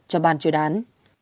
cho bàn chuyên án